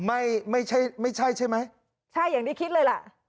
ไม่ใช่ไม่ใช่ใช่ไหมใช่อย่างที่คิดเลยล่ะ